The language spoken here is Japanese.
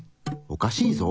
おかしいぞ！